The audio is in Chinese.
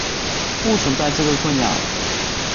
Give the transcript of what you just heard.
不存在这个困扰。